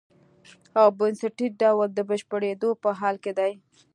او بنسټیز ډول د بشپړېدو په حال کې دی.